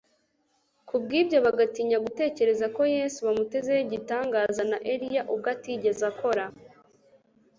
kubw'ibyo bagatinya gutekereza ko Yesu bamutezeho igitangaza na Eliya ubwe atigeze akora.